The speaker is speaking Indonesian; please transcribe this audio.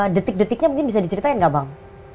detik detiknya mungkin bisa diceritain nggak bang